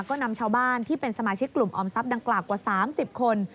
ก็นำชาวบ้านที่เป็นสมาชิกกลุ่มออมทรัพย์ดังกล่าวกว่า๓๐คน